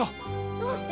どうして？